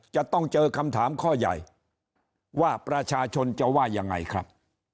จะต้องเจอคำถามข้อใหญ่ว่าประชาชนจะว่ายังไงครับ